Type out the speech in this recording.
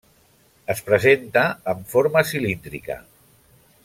Es presenta amb forma cilíndrica.